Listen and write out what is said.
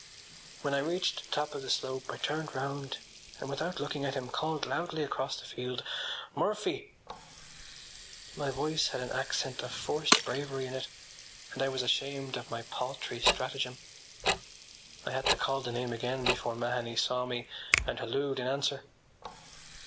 When I reached the top of the slope I turned round and, without looking at him, called loudly across the field: “Murphy!” My voice had an accent of forced bravery in it and I was ashamed of my paltry stratagem. I had to call the name again before Mahony saw me and hallooed in answer.